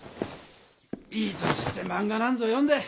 いい年してマンガなんぞ読んで！